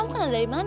tunggu ada ini pun